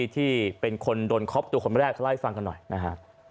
ที่เป็นคนโดนคอปตัวคนแรกมาฟังกันหน่อยนะฮะ